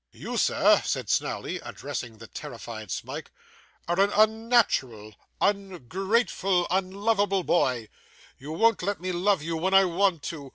'You, sir,' said Snawley, addressing the terrified Smike, 'are an unnatural, ungrateful, unlovable boy. You won't let me love you when I want to.